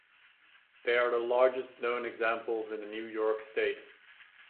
They are the largest known examples in the New York state.